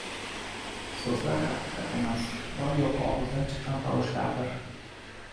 • So‘zlar haqiqat emas, bor yo‘g‘i og‘izdan chiqqan tovushlardir.